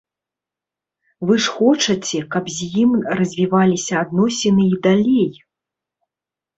Вы ж хочаце, каб з ім развіваліся адносіны і далей.